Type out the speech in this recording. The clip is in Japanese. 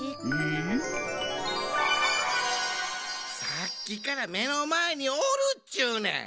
さっきからめのまえにおるっちゅうねん！